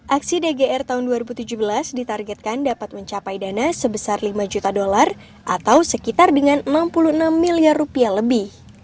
aksi dgr tahun dua ribu tujuh belas ditargetkan dapat mencapai dana sebesar lima juta dolar atau sekitar dengan enam puluh enam miliar rupiah lebih